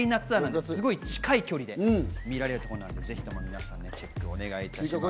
すごい近い距離で見られるということなので、皆さん、チェックをお願いします。